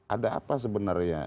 ada apa sebenarnya